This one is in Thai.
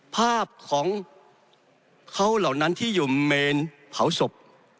ภาพของเขาเหล่านั้นที่อยู่เมนเผาศพ